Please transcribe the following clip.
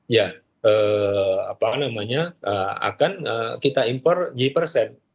ya apa namanya akan kita impor di persen